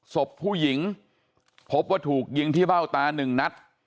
ศพผู้หญิงพบว่าถูกยิงที่เบ้าตาหนึ่งนัด